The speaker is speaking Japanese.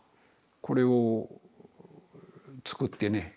これを作ってね